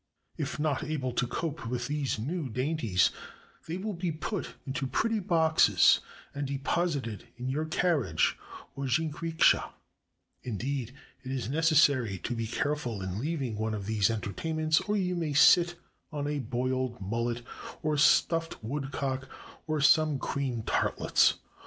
If not able to cope with these new dainties, they will be put into pretty boxes and deposited in your carriage or jinrikisha — indeed, it is necessary to be careful in leaving one of these entertainments, or you may sit on a boiled mullet, or a stuffed woodcock, or some cream tartlets.